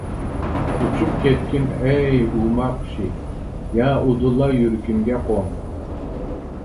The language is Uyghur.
ئۇچۇپ كەتكىن ھەي ھۇما قۇشى، يا ئۇدۇللا يۈرىكىمگە قون.